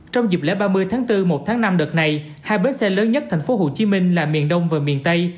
trong dịp lễ ba mươi tháng bốn một tháng năm đợt này hai bến xe lớn nhất thành phố hồ chí minh là miền đông và miền tây